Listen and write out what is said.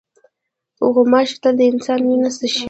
غوماشې تل د انسان وینه څښي.